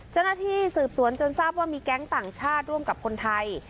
เจ้าหน้าที่สืบสวนจนทราบว่ามีแก๊งต่างชาติร่วมกับคนไทย